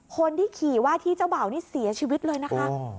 คนที่ขี่ว่าที่เจ้าบ่าวนี่เสียชีวิตเลยนะคะ